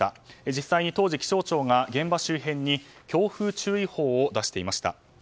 実際、当時気象庁が現場周辺に強風注意報を出していました。